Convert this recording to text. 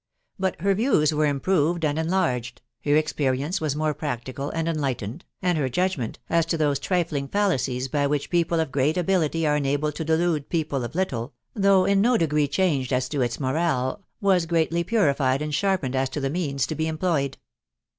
But her views were improved and enlarged, her experience was more practical and enlightened, and her judgment, as to those trifling fallacies by which people of great ability are enabled to delude people of little, though in no de gree changed as to its morale, was greatly purified and sharp ened as to the means to be employed.